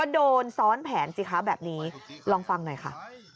ตอนนี้ลองฟังหน่อยค่ะ